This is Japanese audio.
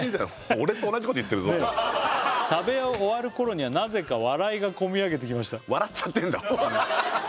俺と同じこと言ってるぞ食べ終わる頃にはなぜか笑いがこみ上げてきました笑っちゃってんだ